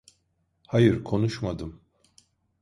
Hayır, konuşmadım.